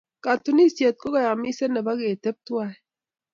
Katunisyet ko kayamiset nebo ketep tuwai.